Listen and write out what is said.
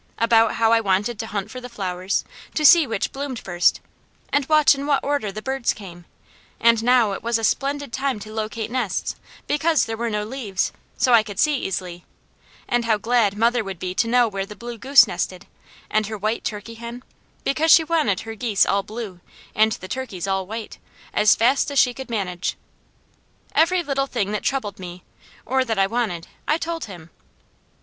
About how I wanted to hunt for the flowers, to see which bloomed first, and watch in what order the birds came, and now it was a splendid time to locate nests, because there were no leaves, so I could see easily, and how glad mother would be to know where the blue goose nested, and her white turkey hen; because she wanted her geese all blue, and the turkeys all white, as fast as she could manage. Every little thing that troubled me or that I wanted, I told him.